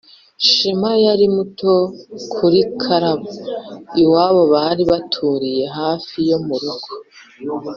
shema yari muto kuri karabo. iwabo bari baturiye hafi yo mu rugo